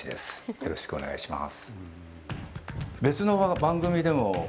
よろしくお願いします。